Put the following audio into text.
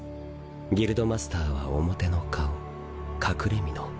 ギルドマスターは表の顔隠れみの。